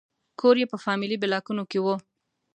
کور یې په فامیلي بلاکونو کې و.